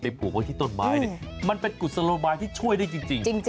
ไปบวดพวกที่ต้นไม้มันเป็นกุฏสลโลบายที่ช่วยได้จริง